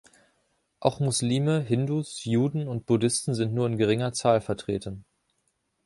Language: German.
Auch Muslime, Hindus, Juden und Buddhisten sind nur in geringer Zahl vertreten.